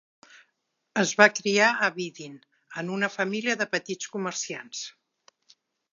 Es va criar a Vidin en una família de petits comerciants.